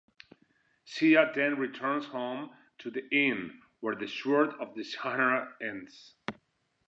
Shea then returns home to the inn, where "The Sword of Shannara" ends.